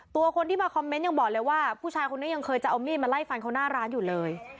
ตัวคนที่มาคอมเมนต์ยังบอกเลยว่าผู้ชายคนนี้ยังเคยจะเอามีดมาไล่ฟันเขาหน้าร้านอยู่เลย